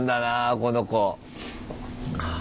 この子。